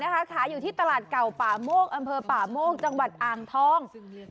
ขายอยู่ที่ตลาดเก่าป่าโมกอำเภอป่าโมกจังหวัดอ่างทอง